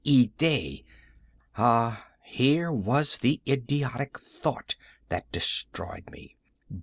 Des idées!—ah here was the idiotic thought that destroyed me!